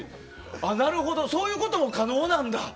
なるほど、そういうことも可能なんだ。